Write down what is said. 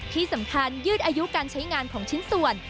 ที่สำคัญยืดอายุการใช้งานของชิ้นส่วน